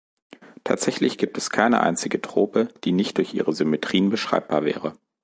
Tatsächlich gibt es keine einzige Trope, die nicht durch ihre Symmetrien beschreibbar wäre.